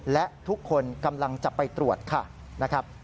และทุกคนกำลังจะไปตรวจค่ะนะครับ